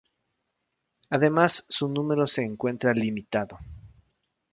Además su número se encuentra limitado.